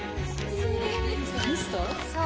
そう。